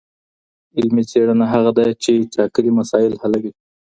علمي څېړنه هغه ده چي ټاکلي مسایل حلوي.